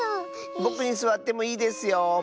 ぼくにすわってもいいですよ！